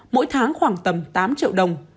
mỗi tháng khoảng tầm tám triệu đồng